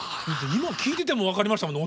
今聴いてても分かりましたもんね